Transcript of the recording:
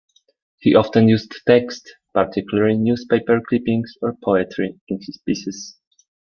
He often used text, particularly newspaper clippings or poetry, in his pieces.